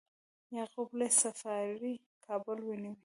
یعقوب لیث صفاري کابل ونیو